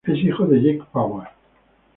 Es hijo de Jackie Power.